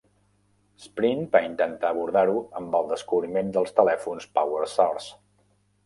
Sprint va intentar abordar-ho amb el descobriment dels telèfons PowerSource.